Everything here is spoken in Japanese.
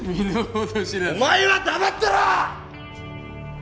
お前は黙ってろ！！